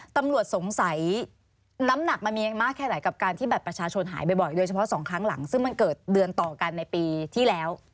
ปานที่นานแรกของคั้งหลังฯซึ่งมันเกิดเดือนต่อกันในปีที่แล้ว